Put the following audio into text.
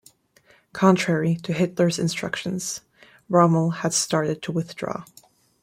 Contrary to Hitler's instructions - Rommel had started to withdraw.